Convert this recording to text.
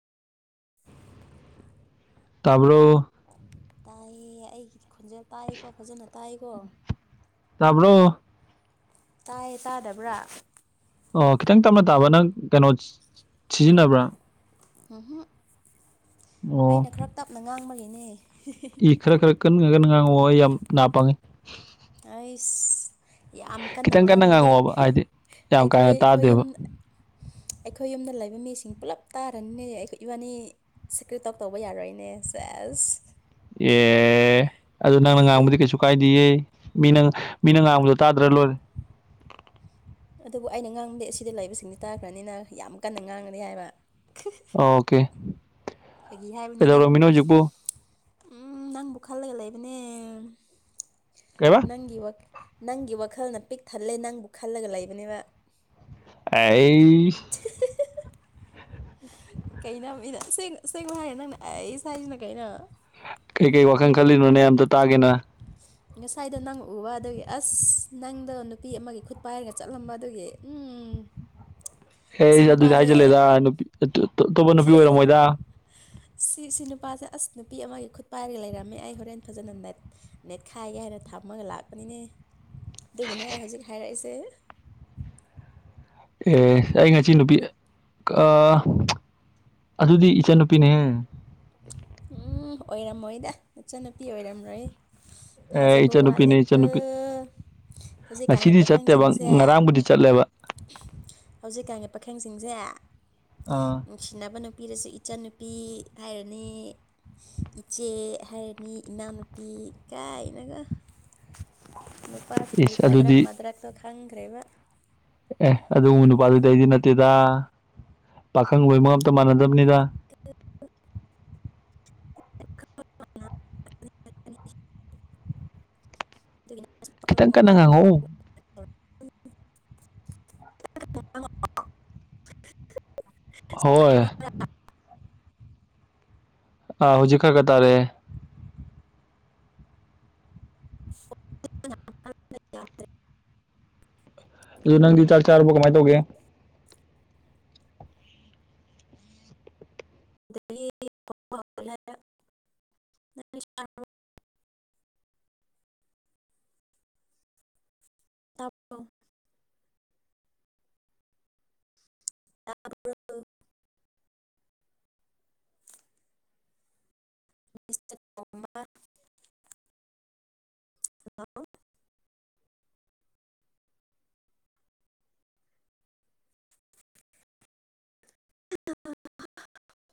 ꯇꯥꯔꯕꯣ ꯇꯥꯏꯌꯦ ꯑꯩꯒꯤ ꯈꯣꯟꯖꯦꯜ ꯇꯥꯏꯀꯣ ꯐꯖꯅ ꯇꯥꯏꯀꯣ ꯇꯥꯕ꯭ꫪꯣ ꯇꯥꯏ ꯇꯥꯗꯕ꯭ꯔꯥ ꯑꯣ ꯈꯤꯇꯪ ꯇꯞꯅ ꯇꯥꯕꯔꯥ ꯅꯪ ꯀꯩꯅꯣ ꯁꯤꯖꯤꯟꯅꯕ꯭ꯔꯥ ꯎꯝ ꯑꯣ ꯑꯩꯅ ꯈꯔ ꯇꯞꯅ ꯉꯥꯡꯕꯒꯤꯅꯦ ꯏ ꯈꯔ ꯈꯔ ꯀꯟꯅ ꯈ ꯀꯟꯅ ꯉꯥꯡꯉꯣ ꯑꯩ ꯌꯥꯝ ꯅꯥ ꯄꯥꯡꯉꯤ꯫ ꯑꯥꯏꯁ꯫ ꯌꯥꯝ ꯀꯟꯅ ꯈꯤꯇꯪ ꯉꯥꯡꯕꯗꯤ [unintelligible] ꯉꯥꯡꯉꯛꯑꯣꯕ ꯍꯥꯏꯗꯤ ꯌꯥꯝ ꯀꯥ ꯑꯩꯈꯣꯏ ꯍꯦꯟꯅ ꯑꯩꯈꯣꯏ ꯌꯨꯝ ꯇꯥꯗꯦꯕ ꯑꯩꯈꯣꯏ ꯌꯨꯝꯗ ꯂꯩꯕ ꯃꯤꯁꯤꯡ ꯄꯨꯜꯂꯞ ꯇꯥꯔꯅꯤꯅꯦ ꯑꯩꯈꯣ ꯏꯕꯥꯅꯤ ꯁꯤꯀ꯭ꯔꯦꯠ ꯇꯣꯛ ꯇꯧꯕ ꯌꯥꯔꯣꯏꯅꯦ ꯁꯦꯁ꯫ ꯑꯦ꯫ ꯑꯗꯨꯗ ꯅꯪꯅ ꯉꯥꯡꯕꯗꯤ ꯀꯩꯁꯨ ꯀꯥꯏꯗꯦꯌꯦ ꯃꯤꯅ ꯃꯤꯅ ꯉꯥꯡꯕꯗꯣ ꯇꯥꯗ꯭ꯔ ꯂꯣꯏꯔꯦ꯫ ꯑꯗꯨꯕꯨ ꯑꯩꯅ ꯉꯥꯡꯗꯤ ꯑꯁꯤꯗ ꯂꯩꯕꯁꯤꯡꯗꯤ ꯇꯥꯈ꯭ꯔꯅꯤꯅ ꯌꯥꯝ ꯀꯟꯅ ꯉꯥꯡꯑꯗꯤ ꯍꯥꯏꯕ꯫ ꯑꯣꯀꯦ꯫ ꯐꯒꯤ ꯍꯥꯏꯕꯅꯤꯗ꯫ ꯀꯩꯗꯧꯔꯝꯃꯤꯅꯣ ꯍꯧꯖꯤꯛꯄꯨ ꯎ ꯅꯪꯕꯨ ꯈꯜꯂꯒ ꯂꯩꯕꯅꯦ ꯀꯩꯕꯥ ꯅꯪꯒꯤ ꯋꯥ ꯅꯪꯒꯤ ꯋꯥꯈꯜꯅ ꯄꯤꯛ ꯊꯜꯂꯦ ꯅꯪꯕꯨ ꯈꯜꯂꯒ ꯂꯩꯕꯅꯦꯕ꯫ ꯑꯩꯁ꯫ [unintelligible] ꯀꯩꯅ ꯃꯤꯅ ꯁꯦꯡ ꯁꯦꯡꯕ ꯍꯥꯏꯌ ꯅꯪꯅ ꯑꯩꯁ ꯍꯥꯏꯖꯤꯅ ꯀꯩꯅꯣ꯫ ꯀꯩꯀꯩ ꯋꯥꯈꯜ ꯈꯜꯂꯤꯅꯣꯅꯦ ꯑꯝꯇ ꯇꯥꯒꯦꯅ꯫ ꯉꯁꯥꯏꯗꯣ ꯅꯪ ꯎꯕ ꯑꯗꯨꯒꯤ ꯑꯁ ꯅꯪꯗꯣ ꯅꯨꯄꯤ ꯑꯃꯒꯤ ꯈꯨꯠ ꯄꯥꯏꯔꯒ ꯆꯠꯂꯝꯕ ꯑꯗꯨꯒꯤ꯫ ꯎꯝ ꯁꯤ ꯑꯦ ꯑꯗꯨꯗꯤ ꯅꯨꯄꯥꯁꯦ ꯍꯥꯏꯖꯜꯂꯦꯗ ꯇ ꯇ ꯑꯇꯣꯞꯄ ꯅꯨꯄꯤ ꯑꯣꯏꯔꯝꯃꯣꯏꯗꯥ꯫ ꯁꯤ ꯁꯤ ꯅꯨꯄꯥꯁꯦ ꯑꯁ ꯅꯨꯄꯤ ꯑꯃꯒꯤ ꯈꯨꯠ ꯄꯥꯏꯔꯒ ꯂꯩꯔꯝꯃꯦ ꯑꯩ ꯍꯣꯔꯦꯟ ꯐꯖꯅ ꯅꯦꯠ ꯅꯦꯠꯈꯥꯏꯒꯦ ꯍꯥꯏꯅ ꯊꯝꯃꯒ ꯂꯥꯛꯄꯅꯤꯅꯦ ꯑꯗꯨꯒꯤꯅꯦ ꯑꯩ ꯍꯧꯖꯤꯛ ꯍꯥꯏꯔꯛꯏꯁꯦ꯫ ꯑꯦ ꯑꯩ ꯉꯁꯤ ꯅꯨꯄꯤ ꯀꯥ ꯆ ꯑꯗꯨꯗꯤ ꯏꯆꯟꯅꯨꯄꯤꯅꯦꯍꯦ꯫ ꯎꯝ ꯑꯣꯏꯔꯝꯃꯣꯏꯗ ꯅꯆꯟꯅꯨꯄꯤ ꯑꯣꯏꯔꯝꯔꯣꯏ꯫ ꯑꯦ ꯊꯥꯖꯕ ꯏꯆꯟꯅꯨꯄꯤꯅꯦ ꯋꯥꯠꯂꯦꯀꯣ ꯏꯆꯟꯅꯨꯄꯤ ꯍꯧꯖꯤꯛ ꯀꯥꯟ ꯉꯁꯤꯗꯤ ꯆꯠꯇꯦꯕ ꯄꯥꯈꯪꯁꯤꯡꯁꯦ꯫ ꯉꯔꯥꯡꯕꯨꯗꯤ ꯆꯠꯂꯦꯕ꯫ ꯍꯧꯖꯤꯛꯀꯥꯟꯒꯤ ꯄꯥꯈꯦꯡꯁꯤꯡꯁꯦ꯫ ꯑꯥ꯫ ꯅꯨꯡꯁꯤꯅꯕ ꯅꯨꯄꯤꯗꯁꯨ ꯏꯆꯟꯅꯨꯄꯤ ꯍꯥꯏꯔꯅꯤ꯫ ꯏꯆꯦ ꯍꯥꯏꯔꯅꯤ ꯏꯅꯥꯎꯅꯨꯄꯤ ꯀꯥꯏꯅꯒ꯫ ꯅꯨꯄꯥꯁꯤꯡꯅꯤ ꯏꯁ ꯀꯥꯗ꯭ꯔꯛ ꯑꯗꯨꯗꯤ ꯃꯗ꯭ꯔꯛꯇꯣ ꯈꯪꯈ꯭ꯔꯦꯕ꯫ ꯑꯦ ꯑꯗꯨ ꯎ ꯅꯨꯄꯥꯗꯨꯗ ꯑꯩꯗꯤ ꯅꯠꯇꯦꯗ ꯄꯥꯈꯪ ꯂꯣꯏꯕ ꯑꯝꯇ ꯃꯥꯟꯅꯗꯕꯅꯤꯗ [unintelligible] ꯈꯤꯇꯪ ꯀꯟꯅ ꯉꯥꯡꯍꯧ [inaudible] [unintelligible] ꯍꯣꯏ ꯑ ꯍꯧꯖꯤꯛꯒ ꯇꯥꯔꯦ [unintelligible] ꯑꯗꯨ ꯅꯪꯗꯤ ꯆꯥꯛ ꯆꯥꯔꯕꯣ ꯀꯃꯥꯏ ꯇꯧꯒꯦ ꯑꯗ [unintelligible] [inaudible] [inaudible] [inaudible] [inaudible]